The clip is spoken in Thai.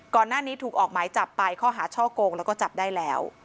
ก่อนหน้านี้ถูกออกหมายจับไปข้อหาช่อโกงแล้วก็จับได้แล้ว